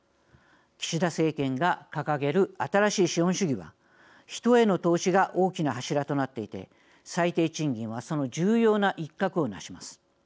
岸田政権が掲げる新しい資本主義は人への投資が大きな柱となっていて最低賃金はその重要な一角を成します。